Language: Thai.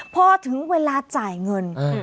พอถึงเวลาจ่ายเงิน